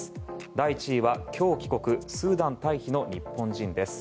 第１位は今日帰国スーダン退避の日本人です。